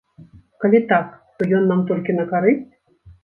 Калі так, то ён нам толькі на карысць?